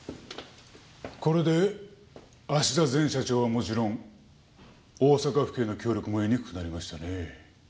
これで芦田前社長はもちろん大阪府警の協力も得にくくなりましたね。